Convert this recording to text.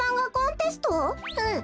うん。